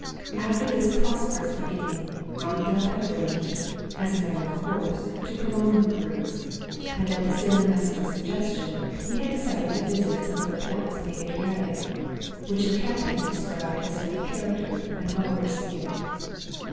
After this prosperous beginning, Armadale had arranged, as a matter of course, to prolong the cruise; and, at the sailing master's suggestion, he had decided to visit some of the ports in the Adriatic, which the captain had described as full of character, and well worth seeing.